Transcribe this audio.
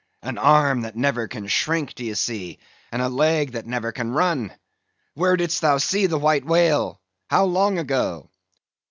—an arm that never can shrink, d'ye see; and a leg that never can run. Where did'st thou see the White Whale?—how long ago?"